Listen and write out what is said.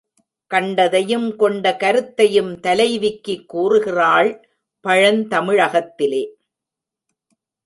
கண்டதையும் கொண்ட கருத்தையும் தலைவிக்கு கூறுகிறாள் பழந்தமிழகத்திலே.